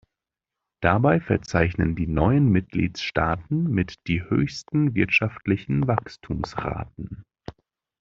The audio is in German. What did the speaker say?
Dabei verzeichnen die neuen Mitgliedstaaten mit die höchsten wirtschaftlichen Wachstumsraten.